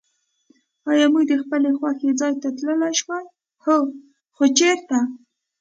آیا موږ د خپل خوښي ځای ته تللای شوای؟ هو. خو چېرته؟